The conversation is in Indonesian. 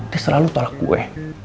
dia selalu tolak gue